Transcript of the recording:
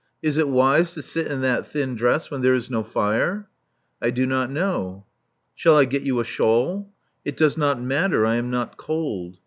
Is it wise to sit in that thin dress when there is no fire?" I do not know." '* Shall I get you a shawl?" It does not matter: I am not cold."